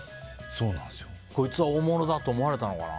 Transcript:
こいつは大物だと思われたのかな。